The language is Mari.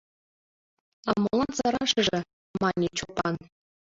— А молан сырашыже, — мане Чопан.